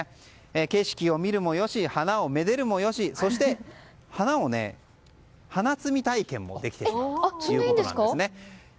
景色を見るもよし花をめでるもよしそして、花摘み体験もできるということです。